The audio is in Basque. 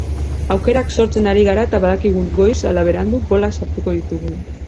Aukerak sortzen ari gara eta badakigu goiz ala berandu golak sartuko ditugula.